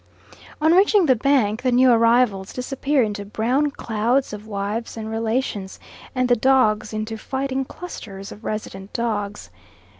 On reaching the bank, the new arrivals disappear into brown clouds of wives and relations, and the dogs into fighting clusters of resident dogs.